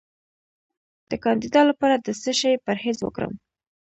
د کاندیدا لپاره د څه شي پرهیز وکړم؟